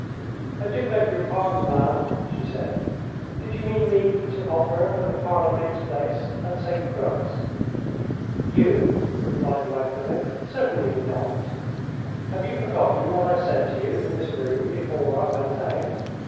"I beg your pardon, ma'am," she said. "Did you mean me to offer for the parlor maid's place at St. Crux?" "You?" replied Magdalen. "Certainly not! Have you forgotten what I said to you in this room before I went out?